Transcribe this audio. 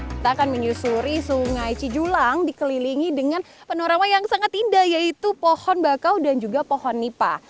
kita akan menyusuri sungai cijulang dikelilingi dengan panorama yang sangat indah yaitu pohon bakau dan juga pohon nipah